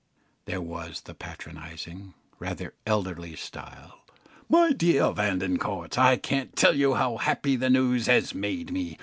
There was the patronising, rather elderly style "My dear Vanecourt, I can't tell you how happy the news has made me.